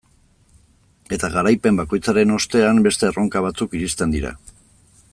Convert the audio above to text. Eta garaipen bakoitzaren ostean beste erronka batzuk iristen dira.